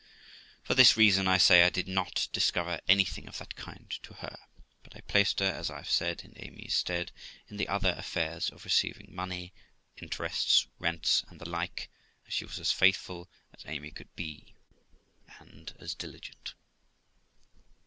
For this reason, I say, I did not discover anything of that kind to her; but I placed her, as I have said, in Amy's stead in the other affairs of 338 THE LIFE OF ROXANA receiving money, interests, rents, and the like, and she was as faithful as Amy could be, and as diligent.